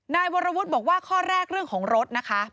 นายวรวุฒิบอกว่าข้อแรกเรื่องของรถนะคะ